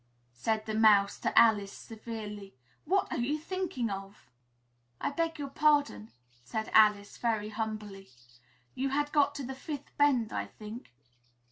said the Mouse to Alice, severely. "What are you thinking of?" "I beg your pardon," said Alice very humbly, "you had got to the fifth bend, I think?"